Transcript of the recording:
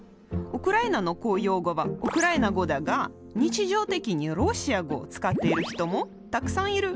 ウクライナの公用語はウクライナ語だが日常的にロシア語を使っている人もたくさんいる。